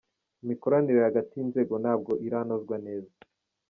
Imikoranire hagati y’inzego ntabwo iranozwa neza.